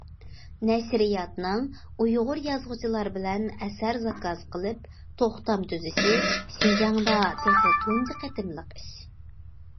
نەشرىياتنىڭ ئۇيغۇر يازغۇچىلار بىلەن ئەسەر زاكاز قىلىپ، توختام تۈزۈشى شىنجاڭدا تېخى تۇنجى قېتىملىق ئىش.